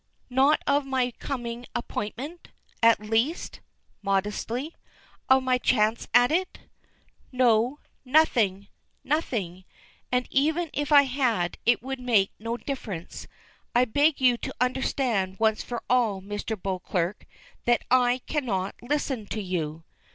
"Not of my coming appointment? At least" modestly "of my chance of it?" "No. Nothing, nothing. And even if I had, it would make no difference. I beg you to understand once for all, Mr. Beauclerk, that I cannot listen to you."